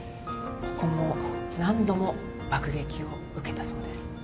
ここも何度も爆撃を受けたそうです。